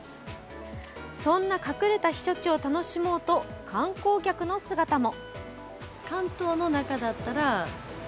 そんな隠れた避暑地を楽しもうと観光客の姿も。